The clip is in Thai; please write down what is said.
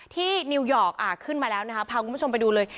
นิวยอร์กขึ้นมาแล้วนะคะพาคุณผู้ชมไปดูเลย